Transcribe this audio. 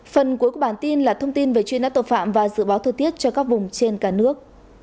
phần cuối của bản tin là thông tin về truy nã tội phạm và dự báo thời tiết cho các vùng trên cả nước